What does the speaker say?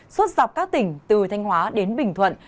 suốt dọc các tỉnh từ thanh hóa đến bình thuận